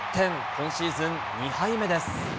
今シーズン２敗目です。